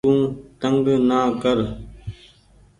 تو تنگ نآ ڪر